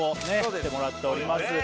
してもらっております